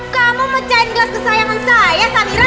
kamu mecahin gelas kesayangan saya samira